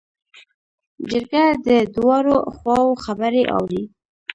جرګه د دواړو خواوو خبرې اوري.